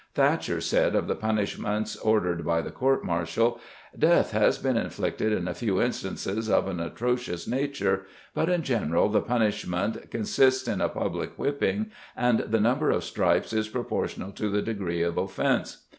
Thacher said of the punishments ordered by the court martial "Death has been inflicted in a few instances of an atrocious nature, but in general, the punishment consists in a public whipping, and the number of stripes is proportioned to the degree of offense.